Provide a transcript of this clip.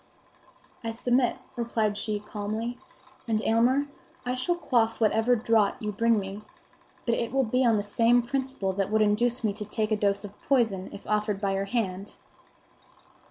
"I submit," replied she calmly. "And, Aylmer, I shall quaff whatever draught you bring me; but it will be on the same principle that would induce me to take a dose of poison if offered by your hand."